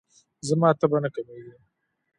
زما تبه نه کمیږي.